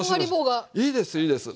いいですいいです。